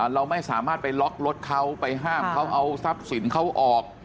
เราไม่สามารถไปล็อกรถเขาไปห้ามเขาเอาทรัพย์สินเขาออก